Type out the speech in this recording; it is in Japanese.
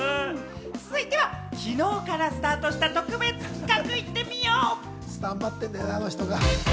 続いては、昨日からスタートした特別企画行ってみよう！